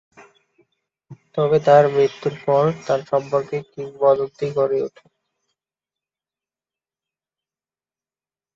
তবে তার মৃত্যুর পর তার সম্পর্কে কিংবদন্তী গড়ে উঠে।